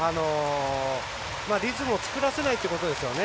リズムを作らせないということですよね。